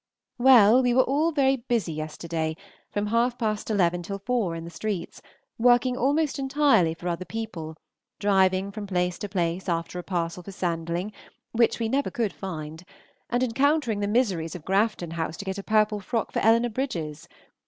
Well, we were very busy all yesterday; from half past eleven till four in the streets, working almost entirely for other people, driving from place to place after a parcel for Sandling, which we could never find, and encountering the miseries of Grafton House to get a purple frock for Eleanor Bridges.